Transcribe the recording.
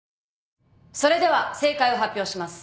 それでは正解を発表します。